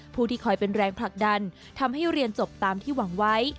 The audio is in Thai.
ที่คอยเป็นแรงผลักดันทำให้เรียนจบตามที่หวังไว้